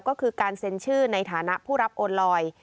ก็คือการเซ็นชื่อในฐานะผู้รับโอนลอย